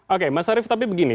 oke mas arief tapi begini